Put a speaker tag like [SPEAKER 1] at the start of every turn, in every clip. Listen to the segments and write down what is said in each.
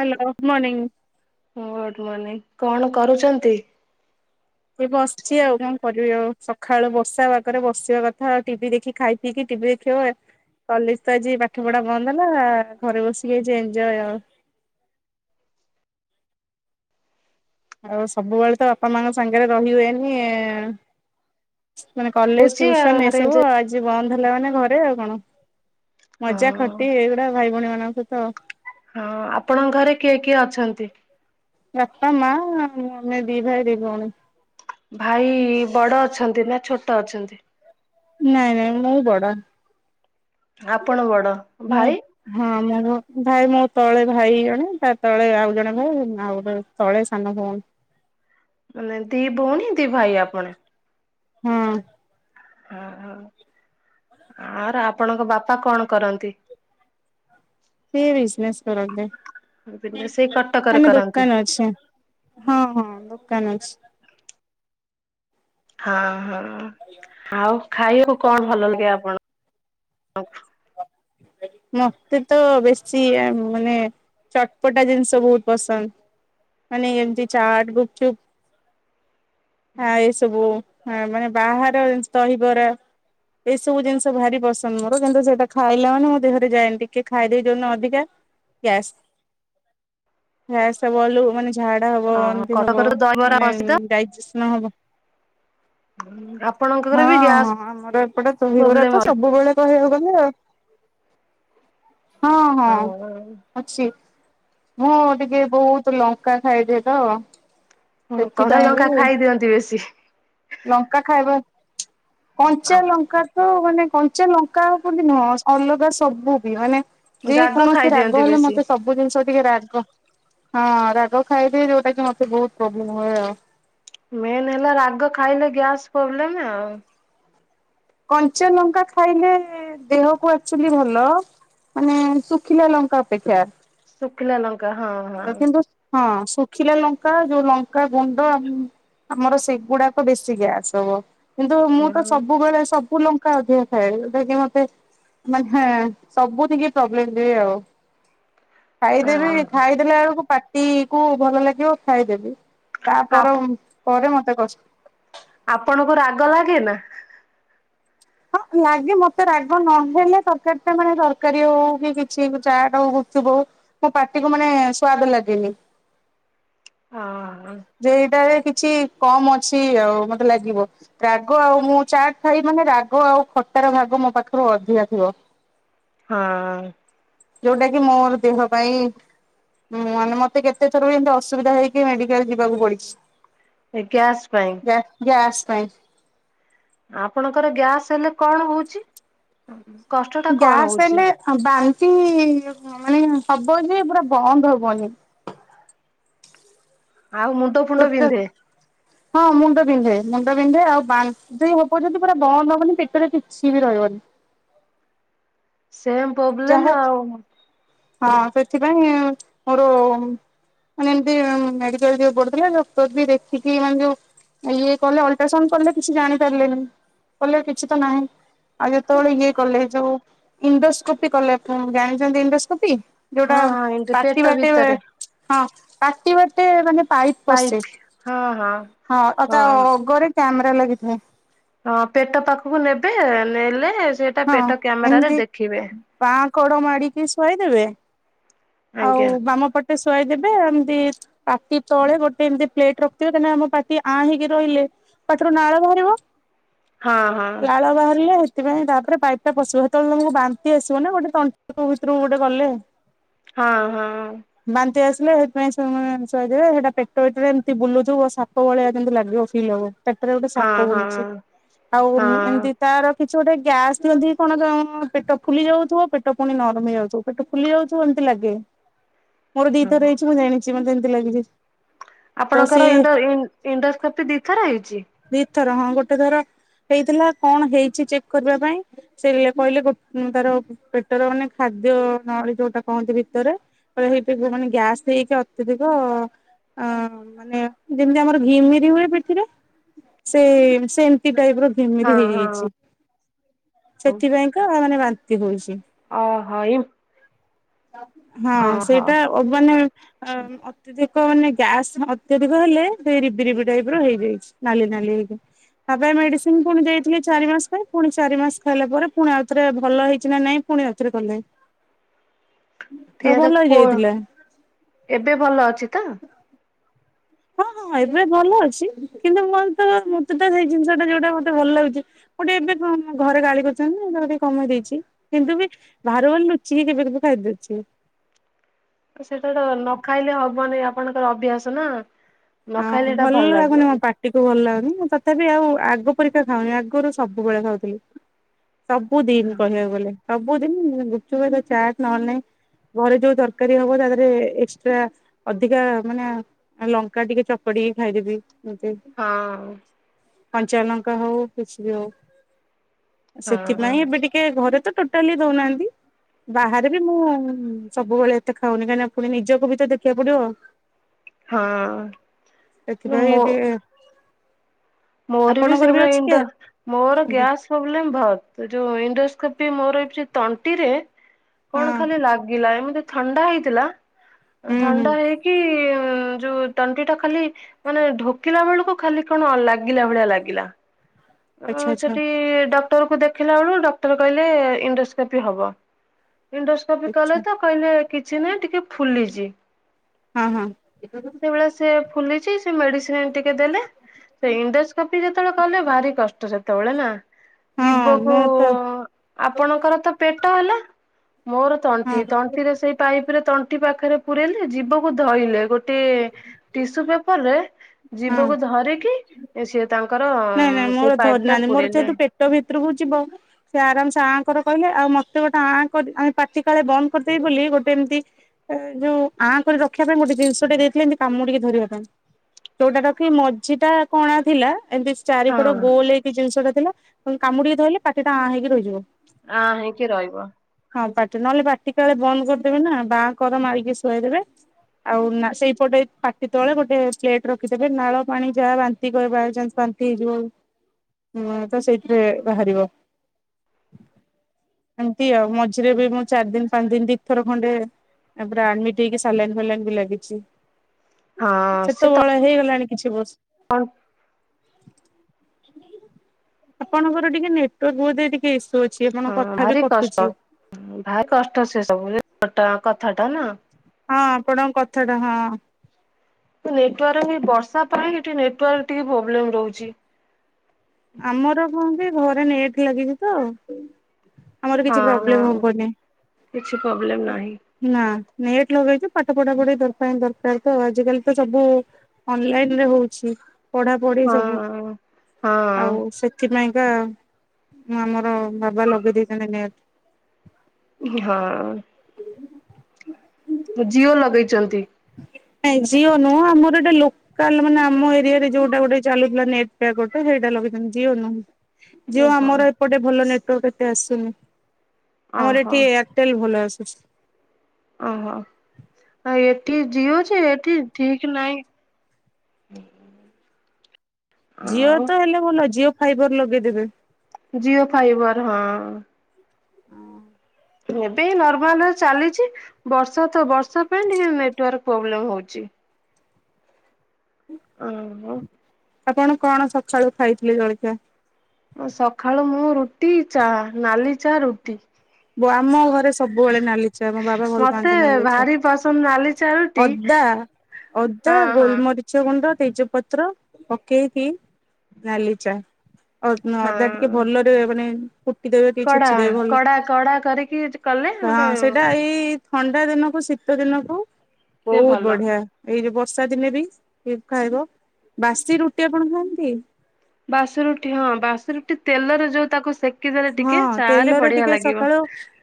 [SPEAKER 1] Hello morning.
[SPEAKER 2] Good morning କଣ କରୁଛନ୍ତି?
[SPEAKER 1] ଏ ବସିଛି ଆଉ କଣ କରିବି ଆଉ ସଖାଳୁ ବର୍ଷା ପାଗରେ ବସିବା କଥା ଆଉ ଟିଭି ଦେଖି ଖାଇ [unintelligible] କଲେଜ ତ ଆଜି ପାଠ ପଢ଼ା ବନ୍ଦ ହେଲା ଘରେ ବସିକି ଆଜି ଏନଜୟ ଆଉ ଆଉ ସବୁବେଳେ ତ ବାପା ମାଙ୍କ ସାଙ୍ଗରେ ରହି ହୁଏନି। ମାନେ କଲେଜ
[SPEAKER 2] ହଉଛି ଆଉ
[SPEAKER 1] ଟ୍ୟୁସନ
[SPEAKER 2] ଘରେ
[SPEAKER 1] ଏସବୁ
[SPEAKER 2] ଯେ
[SPEAKER 1] ଆଜି ବନ୍ଦ ହେଲା ମାନେ ଘରେ ଆଉ କଣ।
[SPEAKER 2] ହଁ
[SPEAKER 1] ମଜା ଖଟି ଏଇଗୁଡ଼ା ଭାଇ ଭଉଣୀ ମାନଙ୍କ ସହିତ।
[SPEAKER 2] ହଁ ଆପଣଙ୍କ ଘରେ କିଏ କିଏ ଅଛନ୍ତି?
[SPEAKER 1] ବାପା ମା ଆଉ ଆମେ ଦି ଭାଇ ଦି ଭଉଣୀ।
[SPEAKER 2] ଭାଇ ବଡ଼ ଅଛନ୍ତି ନା ଛୋଟ ଅଛନ୍ତି?
[SPEAKER 1] ନାଇଁ ନାଇଁ ମୁଁ ବଡ଼।
[SPEAKER 2] ଆପଣ ବଡ଼
[SPEAKER 1] ମୁଁ
[SPEAKER 2] ଭାଇ?
[SPEAKER 1] ହଁ ମୋ ଭାଇ ମୋ ତଳେ ଭାଇ ଜଣେ ତା ତଳେ ଆଉ ଜଣେ ଭାଇ ଆଉ ଗୋଟେ ତଳେ ସାନ ଭଉଣୀ।
[SPEAKER 2] ମାନେ ଦି ଭଉଣୀ ଦି ଭାଇ ଆପଣ।
[SPEAKER 1] ହୁଁ।
[SPEAKER 2] ହଁ ହ ଆର୍ ଆପଣଙ୍କ ବାପା କଣ କରନ୍ତି।
[SPEAKER 1] ସିଏ ବିଜନେସ କରନ୍ତି
[SPEAKER 2] ସେଇ କଟକରେ
[SPEAKER 1] ମାନେ
[SPEAKER 2] କରନ୍ତି
[SPEAKER 1] ଦୋକାନ ଅଛି। ହଁ ହଁ ଦୋକାନ ଅଛି।
[SPEAKER 2] ହଁ ହଁ ଆଉ ଖାଇବାକୁ କଣ ଭଲ ଲାଗେ ଆପଣ ଙ୍କୁ।
[SPEAKER 1] ମତେ ତ ବେଶି ଆ ମାନେ ଚଟପଟା ଜିନିଷ ବହୁତ ପସନ୍ଦ। ମାନେ ଏମିତି ଚାଟ ଗୁପଚୁପ ଆ ଏ ସବୁ। ହଁ ମାନେ ବାହାର ଜିନି ଦହିବରା ଏସବୁ ଜିନିଷ ଭାରି ପସନ୍ଦ ମୋର କିନ୍ତୁ ସେଟା ଖାଇଲା ମାନେ ମୋ ଦେହରେ ଯାଏନି ଟିକେ ଖାଇଦେବି ଯୋଉଦିନ ଅଧିକା ଗ୍ୟାସ୍ ଗ୍ୟାସ୍ ର ବଲୁ ମାନେ ଝାଡା ହବ
[SPEAKER 2] ଓହୋ
[SPEAKER 1] ବାନ୍ତି ହବ
[SPEAKER 2] କଟକରେ ଦହିବରା
[SPEAKER 1] ମାନେ
[SPEAKER 2] ପ୍ରସିଦ୍ଧ।
[SPEAKER 1] ଡାଇଜେସନ ହବ - -
[SPEAKER 2] ଆପଣଙ୍କର ବି
[SPEAKER 1] ହଁ
[SPEAKER 2] ଗ୍ୟାସ୍
[SPEAKER 1] ହଁ ଆମର ଏପଟେ ଦହିବରା
[SPEAKER 2] ପ୍ରୋବ୍ଲେମ
[SPEAKER 1] ତ ସବୁବେଳେ କହିବାକୁ ଗଲେ ହଁ ହଁ। ଅଛି ମୁଁ ଟିକେ ବହୁତ ଲଙ୍କା ଖାଇଦିଏ ତ
[SPEAKER 2] ହୁଁ
[SPEAKER 1] ସେଥିପାଇଁ ବି
[SPEAKER 2] କଞ୍ଚାଲଙ୍କା ଖାଇ ଦିଅନ୍ତି ବେଶୀ।
[SPEAKER 1] ଲଙ୍କା ଖାଇବା କଞ୍ଚା ଲଙ୍କା ତ ମାନେ କଞ୍ଚା ଲଙ୍କା ହ ବୋଲି ନୁହଁ ଅଲଗା ସବୁ ବି ମାନେ ଯେ
[SPEAKER 2] ରାଗ
[SPEAKER 1] କୌଣସି
[SPEAKER 2] ଖାଇଦିଅନ୍ତି
[SPEAKER 1] ରାଗ ହେଲେ
[SPEAKER 2] ବେଶୀ
[SPEAKER 1] ମତେ ସବୁ ସବୁ ଜିନିଷ ଟିକେ ରାଗ ହଁ ରାଗ ଖାଇଦିଏ ଯୋଉଟା କି ମତେ ବହୁତ ପ୍ରୋବ୍ଲେମ ହୁଏ ଆଉ।
[SPEAKER 2] ମେନ୍ ହେଲା ରାଗ ଖାଇଲେ ଗ୍ୟାସ୍ ପ୍ରୋବଲେମ ଆଉ।
[SPEAKER 1] କଞ୍ଚା ଲଙ୍କା ଖାଇଲେ ଦେହକୁ ଆକ୍ଚୁଏଲି ଭଲ। ମାନେ ଶୁଖିଲା ଲଙ୍କା ଅପେକ୍ଷା
[SPEAKER 2] ଶୁଖିଲା ଲ ଙ୍କା ହଁ। ହଁ
[SPEAKER 1] କିନ୍ତୁ ହଁ ଶୁଖିଲା ଲଙ୍କା ଯୋଉ ଲଙ୍କା ଗୁଣ୍ଡ ଆ ଆମର ସେଗୁଡାକ ବେଶୀ ଗ୍ୟାସ ହବ କିନ୍ତୁ ମୁଁ ତ
[SPEAKER 2] ହୁଁ
[SPEAKER 1] ସବୁବେଳେ ସବୁ ଲ ଙ୍କା ଅଧିକା ଖାଏ ଯଉଟା କି ମତେ ମାନେ ସବୁଦିକେ ପ୍ରୋବ୍ଲେମ ହୁଏ ଆଉ।
[SPEAKER 2] [inaudible]
[SPEAKER 1] ଖାଇଦେବି ଖାଇଦେଲା ବେଳକୁ ପାଟି କୁ ଭଲ ଲାଗିବ ଖାଇଦେବି। ତା
[SPEAKER 2] ଆପ
[SPEAKER 1] ପର ପରେ ମତେ କଷ୍
[SPEAKER 2] ଆପଣକୁ ରାଗ ଲାଗେ ନା।
[SPEAKER 1] ହଁ ଲାଗେ ମତେ ରାଗ ନହେଲେ ତରକାରୀ ଟା ମାନେ ତରକାରୀ ହଉ କି କିଛି ବି ଚାଟ୍ ହଉ ଗୁବ୍ ଚୁପ୍ ହଉ ମୁଁ ପାଟିକୁ ମାନେ ସ୍ୱାଦ ଲାଗେନି।
[SPEAKER 2] ଅ ହଁ।
[SPEAKER 1] ଯେ ଏଇଟାରେ କିଛି କମ ଅଛି ଆଉ ମତେ ଲାଗିବ। ରାଗ ଆଉ ମୁଁ ଚାଟ ଖାଇବି ମାନେ ରାଗ ଆଉ ଖଟାର ଭାଗ ମୋ ପାଖରୁ ଅଧିକା ଥିବ।
[SPEAKER 2] ହଁ।
[SPEAKER 1] ଯୋଉଟା କି ମୋର ଦେହ ପାଇଁ ହୁଁ ମାନେ ମତେ କେତେ ଥର ବି ଏମିତି ଅସୁବିଧା ହେଇି ମେଡିକାଲ ଯିବାକୁ ପଡିଛି।
[SPEAKER 2] ଏ ଗ୍ୟାସ୍ ପାଇଁ।
[SPEAKER 1] ଗ୍ୟା ଗ୍ୟାସ୍ ପାଇଁ।
[SPEAKER 2] ଆପଣଙ୍କର ଗ୍ୟାସ୍ ହେଲେ କଣ ହଉଚି। କଷ୍ଟ
[SPEAKER 1] ଗ୍ୟାସ ହେଲେ ବାନ୍ତି ମାନେ ହବ ଯେ ପୁରା ବନ୍ଦ ହବନି।
[SPEAKER 2] ଆଉ ମୁଁ
[SPEAKER 1] [unintelligible] ହଁ ମୁଣ୍ଡ ବିନ୍ଧେ ମୁଣ୍ଡ ବିନ୍ଧେ ଆଉ ବା ନ୍ତି ହବ ଯଦି ପୁରା ବନ୍ଦ ହବନି ପେଟରେ କିଛି ବି ରହିବନି।
[SPEAKER 2] ସେମ୍ ପୋବ୍ଲେମ୍
[SPEAKER 1] ଯାହା
[SPEAKER 2] ଆଉ।
[SPEAKER 1] ହଁ ସେଥିପାଇଁ ମୋର ମାନେ ଏମତି ମେଡିକାଲ ଯିବାକୁ ପଡୁଥିଲା ଡକ୍ଟର ବି ଦେଖିକି ମାନେ ଯୋଉ ଇଏ କଲେ ଅଲଟ୍ରାସାଉଣ୍ଡ୍ କଲେ କିଛି ଜାଣିପାରିଲେନି କହିଲେ କିଛି ତ ନାହିଁ। ଆଉ ଯେତେବେଳେ ଇଏ କଲେ ଯୋଉ ଇଣ୍ଡୋସ୍କୋପି କଲାଠୁ ଜାଣିଚନ୍ତି ଇଣ୍ଡସ୍କୋପି? ଯୋଉଟା
[SPEAKER 2] ହଁ ଏମତି
[SPEAKER 1] ପାଟି
[SPEAKER 2] ପେଟ
[SPEAKER 1] ବାଟେ
[SPEAKER 2] ଭିତରେ
[SPEAKER 1] ହଁ ପାଟି ବାଟେ ମାନେ ପାଇପ୍ ପଶେ
[SPEAKER 2] ହଁ ହଁ
[SPEAKER 1] ହଁ ଆଉ ତା ଅଗରେ କ୍ୟାମେରା ଲାଗିଥାଏ।
[SPEAKER 2] ହଁ ପେଟ ପାଖକୁ ନେବେ ନେଲେ ସେଟା
[SPEAKER 1] ହଁ
[SPEAKER 2] ପେଟ କ୍ୟାମେରାରେ
[SPEAKER 1] ଏମିତି
[SPEAKER 2] ଦେଖିବେ।
[SPEAKER 1] ବାଁ କଡ ମାଡିକି ଶୁଆଇଦେବେ ଆଉ
[SPEAKER 2] ଆଜ୍ଞା
[SPEAKER 1] ବାମ ପ ଟେ ଶଆଇଦେବେ ଆଉ ଏମତି ପାଟି ତଳେ ଗୋଟେ ଏମତି ପ୍ଲେଟ ରଖିଥିବ କାଁଇକିନା ଆମ ପାଟି ଆଁ ହେଇକି ରହିଲେ ପାଟିରୁ ନାଳ ବାହାରିବ
[SPEAKER 2] ହଁ ହଁ
[SPEAKER 1] ଲାଳ ବାହାରିଲେ ହେଥିପାଇଁ ତା ପୁରା ପାଇପଟା ପଶିବ ହେତେବେଳେ ତମକୁ ବାନ୍ତି ଆସିବ ନା ଗୋଟେ ତଣ୍ଟି ଭିତରୁକୁ ଗୋଟେ ଗଲେ।
[SPEAKER 2] ହଁ ହଁ।
[SPEAKER 1] ବାନ୍ତି ଆସିଲେ ସେଇଥିପାଇଁ ସେମାନେ ଶୁଆଇଦେବେ ସେଟା ପେଟ ଭିତରେ ଏମତି ବୁଲୁଥୁବ ସା କୋହଳିଆ କିନ୍ତୁ ଲାଗିଅ ଫିଲ୍ ହବ। ପାଟିରେ ଗୋଟେ
[SPEAKER 2] ହଁ
[SPEAKER 1] ସାପ
[SPEAKER 2] ହଁ
[SPEAKER 1] ବୁଲୁଚି ଆଉ
[SPEAKER 2] ହଁ
[SPEAKER 1] ଏମ୍ ଏମତି ତାର କିଛି ଗୋଟେ ଗ୍ୟାସ୍ ଦିଅନ୍ତି କଣ ହେଟା ପେଟ ଫୁଲି ଯାଉଥୁବ ପେଟ ପୁଣି ନରମି ଯାଉଥିବ ପେଟ ଫୁଲି ଯାଉଥୁବୁ ଏମିତି ଲାଗେ। ମୋର
[SPEAKER 2] ହଁ।
[SPEAKER 1] ଦିଥର ହେଇଚି ମୁଁ ଜାଣିଚି ମତେ ଏମତି ଲାଗିଯାଏ।
[SPEAKER 2] ଆପଣଙ୍କର ଏଣ୍ଡୋ ଇ ଇଣ୍ଡୋଶ୍କପି ଦିଥର ହେଇଚି?
[SPEAKER 1] ଦିଥର ହଁ ଗୋଟେ ଥର ହେଇଥିଲା କଣ ହେଇଚି ଚେକ୍ କରିବା ପାଇଁ। ସେୟା କହିଲେ ଗୋ ଉଁ ତାର ପେଟର ମାନେ ଖାଦ୍ୟ ନଳୀ ଯୋଉଟା କହନ୍ତି ଭିତରେ ଏ ହେଇଥାଏ ଯୋଉ ମାନେ ଗ୍ୟାସ୍ ହେଇକି ଅ ଅତ୍ୟଧିକ ଆଁ ମାନେ ଯେମିତି ଆମର ଘିମିରି ହୁଏ ପିଠିରେ। ସେ ସେ ଏମତି ଟାଇପର ଘିମିରି
[SPEAKER 2] ହଁ ହଁ।
[SPEAKER 1] ହେଇଯାଇଚି। ସେଥିପାଇଁକା ମାନେ ବାନ୍ତି ହୋଉଛି।
[SPEAKER 2] ଓହୋ ଇମ୍
[SPEAKER 1] ହଁ ସେଇଟା ଅ ମାନେ ଅ ଅତ୍ୟଧିକ ମାନେ ଗ୍ୟାସ୍ ଅତ୍ୟଧିକ ହେଲେ ହେଇ ରିବି ରିବି ଟାଇପର ହେଇଯାଇଛି ନାଲି ନାଲି ହେଇକି। ତାପାଇଁ ମେଡିସିନ ପୁଣି ଦେଇଥିଲେ ଚାରି ମାସ ପାଇଁ ପୁଣି ଚାରି ମାସ ଖାଇଲା ପରେ ପୁଣି ଆଉଥରେ ଭଲ ହେଇଚି ନା ନାଇଁ ପୁଣି ଆଉଥରେ କଲେ। ତ
[SPEAKER 2] ତିଆର
[SPEAKER 1] ଭଲ
[SPEAKER 2] କୋଳ
[SPEAKER 1] ହେଇଯାଇଥିଲା।
[SPEAKER 2] ଏବେ ଭଲ ଅଛି ତ?
[SPEAKER 1] ହଁ ହଁ ହଁ ଏବେ ଭଲ ଅଛି କିନ୍ତୁ ମତେ ପା ମତେ ତ ସେଇ ଜିନିଷଟା ଯୋଉଟା ମତେ ଭଲ ଲାଗୁଚି। ଗୋଟେ ଏବେ କଣ ଘରେ ଗାଳି କରିଚନ୍ତି ତ ଏବେ କମେଇ ଦେଇଚି କିନ୍ତୁ ବି ବାହାରକୁ ଗଲେ ଲୁଚିକି କେବେ କେବେ ଖାଇଦୋଉଛି।
[SPEAKER 2] ସେଟା ତ ନ ଖାଇଲେ ହବନି ଆପଣଙ୍କର ଅଭ୍ୟାସ ନା। ନ ଖାଇଲେ ଏଇଟା ଭଲ ଲାଗିବନି।
[SPEAKER 1] ଟିକୁ ଭଲ ଲାଗୁନି ତଥାପି ଆଉ ଆଗ ପରିକା ଖାଉନି ଆଗରୁ ସବୁବେଳେ ଖାଉଥୁଲି। ସବୁଦିନ
[SPEAKER 2] ହଁ
[SPEAKER 1] କହିବାକୁ ଗଲେ ସବୁଦିନ ଗୁପଚୁପ ଏତ ଚାଟ୍ ନହଲେ ନାଇ ଘରେ ଯୋଉ ତରକାରୀ ହବ ତା ଦେହରେ ଏକ୍ସଟ୍ରା ଅଧିକା ମାନେ ଲନ୍ ଙ୍କା ଟିକେ ଚକଡ଼ିକି ଖାଇଦେବି ଏମତି।
[SPEAKER 2] ହଁ।
[SPEAKER 1] କଞ୍ଚାଲଙ୍କା ହୋଉ କିଛି ବି ହୋଉ
[SPEAKER 2] ହଁ
[SPEAKER 1] ସେଥିପାଇଁ ଏବେ ଟି କେ ଘରେ ତ ଟୋଟାଲି ଦୋଉନାହାନ୍ତି। ବାହାରେ ବି ମୁଁ ଉଁ ସବୁବେଳେ ଏତେ ଖାଉନି କାହିଁକିନା ଫୁଣି ନିଜକୁ ବି ତ ଦେଖିବାକୁ ପଡିବ।
[SPEAKER 2] ହଁ।
[SPEAKER 1] ସେଥିପାଇଁ
[SPEAKER 2] ମୋ
[SPEAKER 1] ଦେ
[SPEAKER 2] ମୋର ବି ସେଇଭଳିଆ
[SPEAKER 1] ଅଛି କି
[SPEAKER 2] ଇଣ୍ଡ ମୋର
[SPEAKER 1] ହଁ
[SPEAKER 2] ଗ୍ୟାସ୍ ପ୍ରୋବ୍ଲେମ୍ ଭର୍ତ୍ତି ଯୋଉ ଇଣ୍ଡୋସକୋପି ମୋର ଇଫରେ ତଣ୍ଟିରେ କଣ ଖାଲି ଲାଗିଲା ଏମିତି ଥଣ୍ଡା ହେଇଥିଲା। ଅ
[SPEAKER 1] ହୁଁ ହୁଁ।
[SPEAKER 2] ଥଣ୍ଡା ହେଇକି ଇଏ ଯୋଉ ତଣ୍ଟି ଟା ଖାଲି ମାନେ ଢୋକିଲା ବେଳକୁ ଖାଲି କଣ ଲାଗିଲା ଭଳିଆ ଲାଗିଲା। ଅ
[SPEAKER 1] ଆଚ୍ଛା ଆଚ୍ଛା
[SPEAKER 2] ସେଠି ଡକ୍ କ୍ଟ ରକୁ ରେଦେଖେଇଲା ବେଳକୁ ଡକ୍ଟର କଇଲେ ଇଣ୍ଡୋସ୍କୋପି ହବ ଇଣ୍ଡୋସ୍କୋପି କଲେ
[SPEAKER 1] ଆଚ୍ଛା
[SPEAKER 2] ତ। କଇଲେ କିଛି ନାହିଁ ଟିକେ ଫୁଲିଛି।
[SPEAKER 1] ହଁ ହଁ।
[SPEAKER 2] ସେଇଭଳିଆ ସେ ଫୁଲିଛି ସେ ମେଡିସିନ ଆଣି ଟିକେ ଦେଲେ ସେ ଇଣ୍ଡୋସ୍କୋପି ଯେତେଳେ କଲେ ଭାରି କଷ୍ଟ ସେତେବେଳେ ନା
[SPEAKER 1] ହଁ
[SPEAKER 2] ଯିବକୁ
[SPEAKER 1] ମୁଁ ତ
[SPEAKER 2] ଆପଣଙ୍କର ତ ପେଟ ହେଲା। ମୋର ତଣ୍ଟି
[SPEAKER 1] ହଁ ହଁ
[SPEAKER 2] ତଣ୍ଟି ରେ ସେଇ ପାଇପ ରେ ତଣ୍ଟି ପାଖରେ ପୁରେଇଲେ ଜିବକୁ ଧଇଲେ ଗୋଟ ଟି ଟିସୁ ପେପର ରେ ଜୀବକୁ ଧରିକି ସେ ତାଙ୍କର ସେ
[SPEAKER 1] ପରିନାହାନ୍ତି ମୋର ଜେହେତୁ ପେଟ ଭିତୁରୁକୁ ଯିବ ସେ ଆରାମ ସେ ଆଁଙ୍କର କଇଲେ ଆଉ ମତେ ଗୋଟେ ଆଁ କରି ମାନେ ପାଟି କାଳେ ବନ୍ଦ କରିଦେବି ବୋଲି ଗୋଟେ ଏମିତି ଯୋଉ ଆଁ କରି ରଖିବା ପାଇଁ ଗୋଟେ ଜିନିଷ ଟେ ଦେଇଥିଲେ ଏମିତି କାମୁଡ଼ିକି ଧରିବା ପାଇଁ। ତୋଟା ରଖି ମଝି ଟା କଣା ଥିଲା ଏମବିସ୍
[SPEAKER 2] ହଁ
[SPEAKER 1] ଚାରିପଡ ଗୋଲକି ଜିନିଷଟା ଥିଲା କାମୁଡିକି ଧରଲେ ପାଟି ଟା ଆଁ ହେଇକି ରହିଯିବ।
[SPEAKER 2] ଆଁ ହେଇକି ରହିବ।
[SPEAKER 1] ହଁ ପାଟି ନହେଲେ ପାଟିକାଳେ ବନ୍ଦ କରିଦେବେ ନା ବାଁ ଙ୍କର ମାରିକି ଶୁଆଇଦେବେ। ଆଉ ସେଇପଟେ ପାଟି ତଳେ ଗୋଟେ ପ୍ଲେଟ ରଖିଦେବେ ନାଳ ପାଣି ଯାହା ବାନ୍ତି କ ବାଇଚାନ୍ସ ବା ନ୍ତି ହୁଁ ତ ସେଇଥିରେ ବାହାରିବ।
[SPEAKER 2] ହ [inaudible]
[SPEAKER 1] ବାନ୍ତି ଆଉ ମଝିରେ ବି ମୁଁ ଚାରି ଦିନ ପାଞ୍ଚ ଦିନ ଦୁଇ ଥର ଖଣ୍ଡେ ତାପରେ ଆଡମିଟ ହେଇକି ସାଲାଇନ ଫାଲାଇନ ବି ଲାଗିଛି। ସେତବଳେ ହେଇଗଲାଣି କିଛି ବର୍ଷ।
[SPEAKER 2] କଣ।
[SPEAKER 1] ଆପଣଙ୍କର ଟିକେ ନେଟୱାର୍କ ବୋଧେ ଟିକେ ଇସୁ ଅଛି ଆପଣଙ୍କ କଥା ବି
[SPEAKER 2] ଭାରି କଷ୍ଟ
[SPEAKER 1] କଟୁଛି।
[SPEAKER 2] ଭାରି କଷ୍ଟ ସେ ସବୁଟ କଥାଟା ନା।
[SPEAKER 1] ହଁ ଆପଣଙ୍କ କଥାଟା ହଁ।
[SPEAKER 2] ନେଟୱାର୍କ ବର୍ଷା ପାଇଁ ନେଟାର୍କ ଟିକେ ପ୍ରୋବ୍ଲେମ ରହୁଛି।
[SPEAKER 1] ଆମର କହନ୍ତି ଘରେ ନେଟ ଲାଗିଛି ତ। ଆମର କିଛି
[SPEAKER 2] ହଁ
[SPEAKER 1] ପ୍ରୋବ୍ଲେମ
[SPEAKER 2] ହଁ
[SPEAKER 1] ହବନି।
[SPEAKER 2] କିଛି ପ୍ରୋବ୍ଲେମ ନାହିଁ
[SPEAKER 1] ନା ନେଟଲଗେଇଚୁ ଚୁ ପାଠ ପଢା ପଢି ଦର ଦରକାର ତ ଆଜିକାଲି ତ ସବୁ ଅନଲାଇନ ରେ ହଉଛି ପଢାପଢି ସବୁ।
[SPEAKER 2] ହଁ ହଁ।
[SPEAKER 1] ଆଉ ସେଥିପାଇଁକା ଆମର ବାବା ଲଗେଇ ଦେଇେଇଛନ୍ତି ନେଟ୍।
[SPEAKER 2] ହଁ। ଜିଓ ଲଗେଇଛନ୍ତି।
[SPEAKER 1] ନାଇଁ ଜିଓ ନୁଅଁ ଆମର ଏଟା ଲୋ। କାଲ୍ ମାନେ ଆମ ଏରିଆରେ ଯୋଉଟା ଗୋଟେ ଚାଲୁଥିଲା ନେଟ ପିୟା ଗଟେ ସେଇଟା ଲଗେଇ ଚନ୍ତି ଯିଅ ନୁ ଜିଓ
[SPEAKER 2] ଓହୋ
[SPEAKER 1] ଆମର ଏପଟେ ଭଲ ନେଟୱାର୍କ ଏତେ ଆସୁନି ଆମର
[SPEAKER 2] ଓହୋ
[SPEAKER 1] ଏଠି ଏୟା ଟେଲ ଭଲ ଆସୁଛି।
[SPEAKER 2] ଓହୋ ଆଉ ଏଠି ଯିଓ ଜେ ଏଠି ଠିକ ନହିଁ।
[SPEAKER 1] ଜିଓ
[SPEAKER 2] ଆଉ
[SPEAKER 1] ତ ହେଲେ ଭଲ ଜିଓ ଫାଇବର ଲଗେଇଦେବେ।
[SPEAKER 2] ଜିଓ ଫାଇବର ହଁ। ଏବେ ନର୍ମାଲ ଚାଲିଚି ବର୍ଷା ତ ବର୍ଷା ପାଇଁ ଟିକେ ନେଟୱାର୍କ ପ୍ରୋବ୍ଲେମ ହଉଚି।
[SPEAKER 1] ହୁଁ।
[SPEAKER 2] ଅଁ ହଁ।
[SPEAKER 1] ଆପଣ କଣ ସକାଳୁ ଖାଇଥିଲେ ଜଳଖିଆ।
[SPEAKER 2] ସକାଳୁ ମୁଁ ରୁଟି ଚା ନାଲି ଚା ରୁଟି।
[SPEAKER 1] ବ ଆମ ଘରେ ସବୁବେଳେ ନାଲି ଚା ମୋ ବାବା ଭଲ
[SPEAKER 2] ମତେ
[SPEAKER 1] ପାଆନ୍ତି ନାଲି ଚା।
[SPEAKER 2] ଭାରି ପସନ୍ଦ ନାଲି ଚା ରୁଟି
[SPEAKER 1] ଅଦା ଅଦା
[SPEAKER 2] ହଁ ହଁ
[SPEAKER 1] ଗୋଲମରିଚ। ଛ ଗୁଣ୍ଡ ତେଜପତ୍ର ପକେଇକି ନାଲିଚାହା। ଅ ଅଦା ଟିକେ
[SPEAKER 2] ହଁ
[SPEAKER 1] ଭଲରେ ମାନେ କୁଟିଦେବେ ଟିକେ ଛେଚିଦେବେ ଭଲ
[SPEAKER 2] କଢ଼ା କରିକି ଚ୍
[SPEAKER 1] ହଁ ସେଇଟା ଏଇ ଥଣ୍ଡା ଦିନକୁ ଶୀତ ଦିନକୁ
[SPEAKER 2] ଟିକେ
[SPEAKER 1] ବହୁତ
[SPEAKER 2] ଭଲ
[SPEAKER 1] ବଢିଆ। ଏଇ ଯୋଉ ବର୍ଷା ଦିନେ ବି ଖାଇବ। ବାସି ରୁଟି ଆପଣ ଖାଆନ୍ତି?
[SPEAKER 2] ବାସି ରୁଟି ହଁ ବାସି ରୁଟି ତେଲରେ ଯୋଉ ତାକୁ ସେ
[SPEAKER 1] ହଁ ତେଲରେ ଟିକେ ସକାଳୁ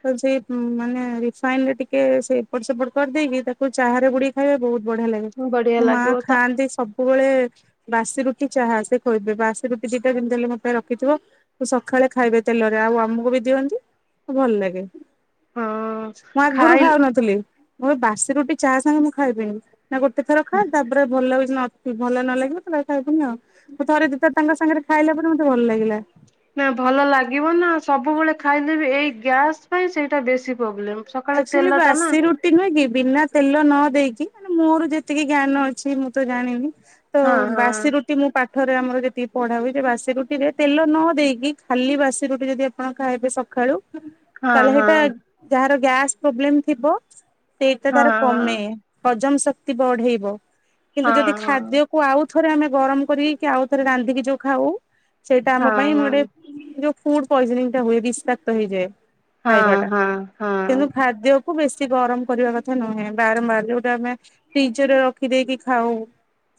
[SPEAKER 1] ତ ସେଇ ଉଁ ମାନେ ରିଫାଇନରେ ଟିକେ ସେ ଏପଟ ସେପଟ କରିଦେଇକି ତାକୁ ଚାହାରେ ବୁଡେଇକି ଖାଇବେ ବହୁତ ବଢିଆ ଲାଗେ।
[SPEAKER 2] ବଢିଆ
[SPEAKER 1] ମୋ ମା
[SPEAKER 2] ଲାଗିବ ତା
[SPEAKER 1] ଖାଆନ୍ତି ସବୁବେଳେ ବାସି ରୁଟି ଚାହା ସେ ଖୋଇବେ ବାସି ରୁଟି ଦିଟା ଯେମିତି ହେଲେ ମୋ ପାଇଁ ରଖିଥିବ ମୁ ସକାଳେ ଖାଇବି। ତେଲରେ ଆଉ ଆମକୁ ବି ଦିଅନ୍ତି ଭଲ ଲାଗେ।
[SPEAKER 2] ହଁ
[SPEAKER 1] ମୁଁ ଆଗରୁ
[SPEAKER 2] ଖାଇ
[SPEAKER 1] ଖାଉନଥିଲି ମୁଁ ଏ ବାସି ରୁଟି ଚାହା ସାଙ୍ଗେ ମୁଁ ଖାଇବିନି। ନା ଗୋଟେ ଥର ଖା ତାପରେ ଭଲ ଯଦି ନ ଭଲ ନ ଲାଗିବ ତାହେଲେ ଆଉ ଖାଇବୁନି ଆଉ। ମୁଁ ଥରେ ଦି ଥର ତାଙ୍କ ସାଙ୍ଗରେ ଖାଇଲା ପରେ ମତେ ଭଲ ଲାଗିଲା।
[SPEAKER 2] ନା ଭଲ ଲାଗିବ ନା ସବୁବେଳେ ଖାଇଲେ ବି ଏଇ ଗ୍ୟାସ ପାଇଁ ସେଇଟା ବେଶୀ ପ୍ରୋବ୍ଲେମ ସକାଳେ ତେଲ ଟା ନା।
[SPEAKER 1] ନ୍ତି ନୁହେଁ କି ବିନା ତେଲ ନ ଦେଇକି ମାନେ ମୋର ଯେତିକି ଜ୍ଞାନ ଅଛି ମୁଁ ତ ଜାଣିନି ତ ବାସି
[SPEAKER 2] ହଁ
[SPEAKER 1] ରୁଟି ମୁଁ ପା ପାଠରେ ଆମର ଯେତିକି ପଢା ହୁଏ ବାସି ରୁଟିରେ ତେଲ ନ ଦେଇକି ଖାଲି ବାସି ରୁଟି ଯଦି ଆପଣ ଖାଇବେ ସକ୍ କାଳୁ
[SPEAKER 2] ହଁ
[SPEAKER 1] ତାହେଲେ ହେଇଟା
[SPEAKER 2] ହଁ
[SPEAKER 1] ଯାହାର ଗ୍ୟାସ ପ୍ରୋବ୍ଲେମ ଥିବ ସେଇଟା ତାର କମେ। ହଜମ ଶକ୍ତି ବଢେଇବ
[SPEAKER 2] ହଁ
[SPEAKER 1] କିନ୍ତୁ
[SPEAKER 2] ହଁ
[SPEAKER 1] ଯଦି
[SPEAKER 2] ହଁ।
[SPEAKER 1] ଖାଦ୍ୟ କୁ ଆଉ ଥରେ ଆମେ ଗରମ କରିକି ଆଉ ଥରେ ରାନ୍ଧିକି ଯୋଉ ଖାଉ ସେଇଟା ଆମ
[SPEAKER 2] ହଁ
[SPEAKER 1] ପାଇଁ ଗୋଟେ ଯଉ ଫୁଡ ପଏଜନିଂ ଟା ହୁଏ ବିସ୍ତାକ୍ତ ହେଇଯାଏ।
[SPEAKER 2] ହଁ
[SPEAKER 1] ଖାଇବାଟା
[SPEAKER 2] ହଁ। ହଁ ହଁ।
[SPEAKER 1] କିନ୍ତୁ ଖାଦ୍ୟକୁୁ ବେଶି ଗରମ କରିବା କଥା ନୁହେଁ ବାରମ୍ବାର ଯୋଉଟା ଆମେ ଫ୍ରିଜ ରେ ରଖିଦେଇକି ଖାଉ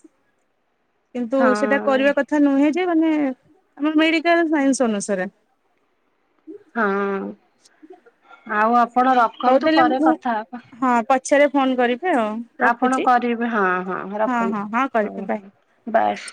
[SPEAKER 2] [unintelligible]
[SPEAKER 1] କିନ୍ତୁ ସେଟା
[SPEAKER 2] ହଁ
[SPEAKER 1] କରିବା କଥା ନୁହେଁ ଯେ ମାନେ ଆମ ମେଡିକାଲ ସାଇନ୍ସ ଅନୁସାରେ।
[SPEAKER 2] ହଁ ଆଉ ଆପଣ
[SPEAKER 1] ହଉ
[SPEAKER 2] ରଖନ୍ତୁ
[SPEAKER 1] ତାହେଲେ
[SPEAKER 2] ପରେ
[SPEAKER 1] ମୁଁ
[SPEAKER 2] କଥା ହେବା।
[SPEAKER 1] ହଁ ପଛରେ ଫୋନ୍ କରିବେ ଆଉ।
[SPEAKER 2] ଆପଣ
[SPEAKER 1] ରଖୁଛି
[SPEAKER 2] କରିବେ ହଁ ହଁ ରଖନ୍ତୁ
[SPEAKER 1] ହଁ କରିବି
[SPEAKER 2] ହଁ
[SPEAKER 1] ବାଏ।
[SPEAKER 2] ହଁ ବାସ୍।